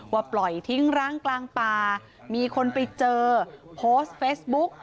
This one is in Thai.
ปล่อยทิ้งร้างกลางป่ามีคนไปเจอโพสต์เฟซบุ๊ก